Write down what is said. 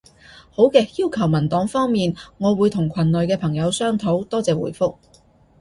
好嘅，要求文檔方面，我會同群內嘅朋友商討。多謝回覆